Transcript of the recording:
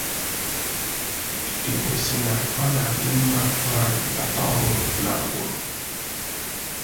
Igbo sị na ọ na-adị mma nwaanyị bàta ọhụrụ na ngwùrù